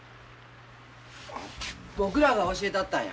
僕らが教えたったんや。